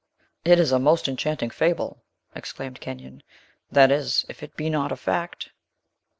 "It is a most enchanting fable!" exclaimed Kenyon; "that is, if it be not a fact."